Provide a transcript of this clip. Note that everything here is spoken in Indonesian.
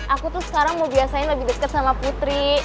aku tuh sekarang mau biasain lebih deket sama putri